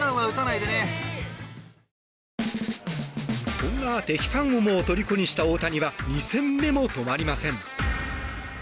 そんな敵ファンをもとりこにした大谷は２戦目も止まりません。